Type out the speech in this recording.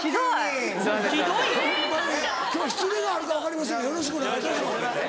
今日失礼があるか分かりませんがよろしくお願いします。